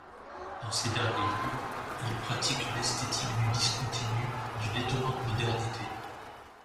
Dans ses derniers livres, il pratique une esthétique du discontinu d'une étonnante modernité.